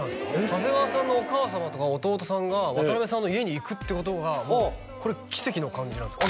長谷川さんのお母様とか弟さんが渡辺さんの家に行くってことがもうこれ奇跡の感じなんすか？